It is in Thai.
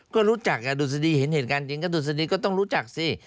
ก็รู้จักดุษฎีเห็นเหตุการณ์จริงก็ดุษฎีก็ต้องรู้จักสิ